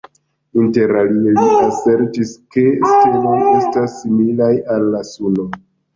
Interalie li asertis, ke steloj estas similaj al la Suno.